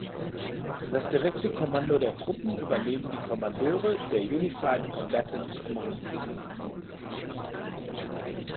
Das direkte Kommando der Truppen übernehmen die Kommandeure der "Unified Combatant Commands".